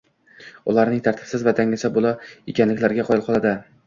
ularning “tartibsiz va dangasa” bola ekanliklariga qoyil qoladi